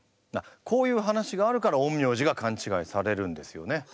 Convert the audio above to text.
こういう話があるから陰陽師がかんちがいされるんですよね。